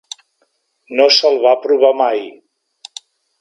No se'l va provar mai.